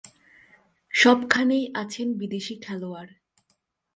সবখানেই আছেন বিদেশি খেলোয়াড়।